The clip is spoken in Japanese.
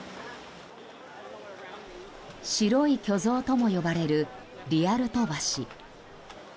白い巨象とも呼ばれるリアルト橋。